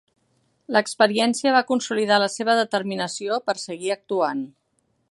L'experiència va consolidar la seva determinació per seguir actuant.